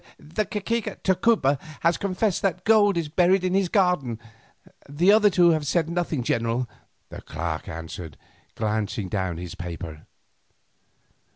"The cacique of Tacuba has confessed that gold is buried in his garden, the other two have said nothing, general," the clerk answered, glancing down his paper.